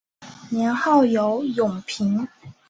年号有永平。